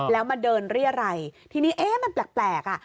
แล้วมาเดินเรียรัยทีนี้เอ๊ะมันแปลกอ่ะ